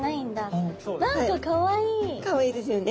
かわいいですよね。